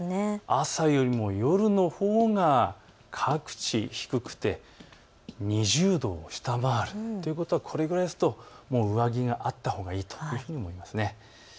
朝よりも夜のほうが各地、低くて２０度を下回るということは上着があったほうがいいと思います。